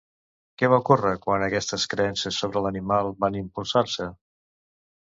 Què va ocórrer quan aquestes creences sobre l'animal van impulsar-se?